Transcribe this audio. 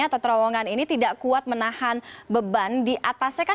atau terowongan ini tidak kuat menahan beban di atasnya kan